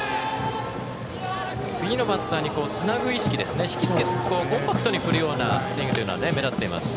次のバッターにつなぐ意識引きつけてコンパクトに振るようなスイングというのが目立っています。